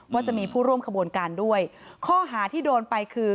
ว่าจะมีผู้ร่วมขบวนการด้วยข้อหาที่โดนไปคือ